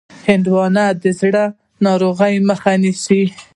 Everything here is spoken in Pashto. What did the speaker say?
هندوانه د زړه ناروغیو مخه نیسي.